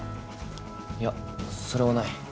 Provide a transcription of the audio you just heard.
いやそれはない。